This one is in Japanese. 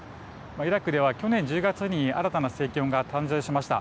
イラクでは去年１０月に新たな政権が誕生しました。